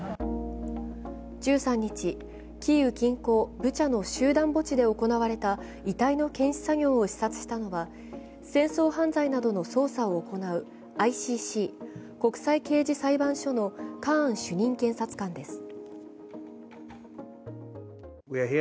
１３日、キーウ近郊ブチャの集団墓地で行われた遺体の検視作業を視察したのは、戦争犯罪などの捜査を行うＩＣＣ＝国際刑事裁判所のカーン主任検察官です。